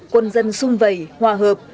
quân dân sung vầy hòa hợp